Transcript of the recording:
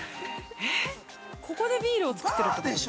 ◆えっ、ここでビールをつくってるってことですか。